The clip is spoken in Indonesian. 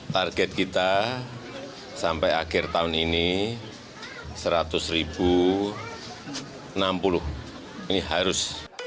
target kita sampai akhir tahun ini seratus enam puluh ini harus